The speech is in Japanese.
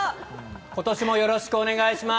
今年もよろしくお願いします！